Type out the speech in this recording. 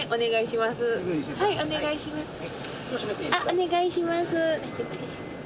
お願いします。